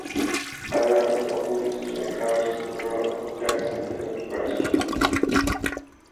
Fire is often used to encourage the growth of young succulent grass shoots.